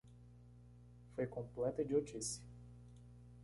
Foi completa idiotice.